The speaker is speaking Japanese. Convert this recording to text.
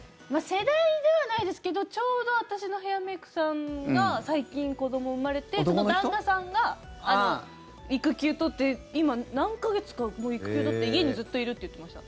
世代ではないですけどちょうど私のヘアメイクさんが最近、子どもが生まれてその旦那さんが育休取って今、何か月か育休取って家にずっといるって言ってました。